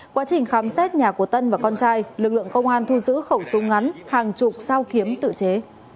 quá trình khám xét nhà của tân và con trai lực lượng công an thu giữ khẩu súng ngắn hàng chục sao kiếm tự chế